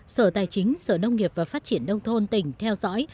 sở tài chính sở nông nghiệp và phát triển đông thôn tỉnh theo dõi